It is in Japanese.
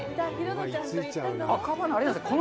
赤羽、あれなんですよね。